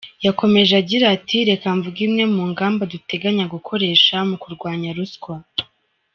Yakomeje agira ati “Reka mvuge imwe mu ngamba duteganya gukoresha mu kurwanya ruswa.